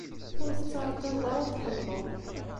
Ur tettɛeṭṭileḍ ara ad t-tḥemmleḍ.